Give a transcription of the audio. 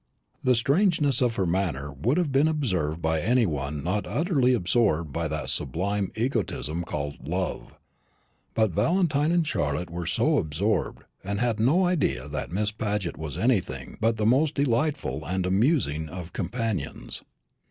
The strangeness of her manner would have been observed by any one not utterly absorbed by that sublime egotism called love; but Valentine and Charlotte were so absorbed, and had no idea that Miss Paget was anything but the most delightful and amusing of companions.